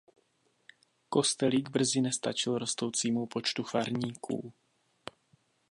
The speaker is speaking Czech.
Kostelík brzy nestačil rostoucímu počtu farníků.